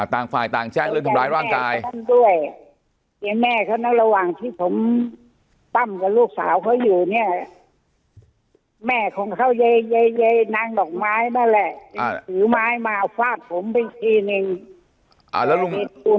อ่ะต่างฝ่ายต่างแจ้งเรื่องทำร้ายร่างกายด้วยเนี่ยแม่เขาน่าระหว่างที่ผมตั้มกับลูกสาวเขาอยู่เนี่ยแม่ของเขาเยยนางหลอกไม้มาแหละถือไม้มาฝากผมไปทีนึง